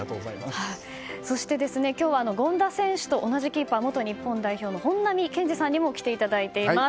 そして今日は権田選手と同じキーパー元日本代表の本並健治さんにも来ていただいています。